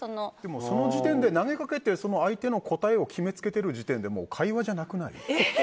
その時点で、投げかけている相手の気持ちを決めつけている時点でもう会話じゃなくない？